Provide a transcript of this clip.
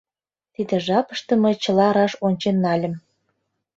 Тиде жапыште мый чыла раш ончен нальым.